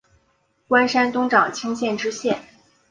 官山东长清县知县。